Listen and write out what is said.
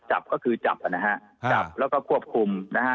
จับก็คือจับนะฮะจับแล้วก็ควบคุมนะฮะ